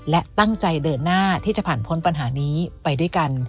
และตั้งใจเดินหน้าที่จะผ่านพ้นปัญหานี้ไปด้วยกัน